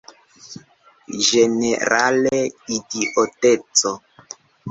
Ĝenerale, idioteco!